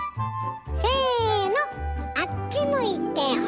せのあっち向いてホイ！